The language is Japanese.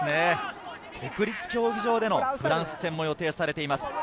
国立競技場でのフランス戦も予定されています。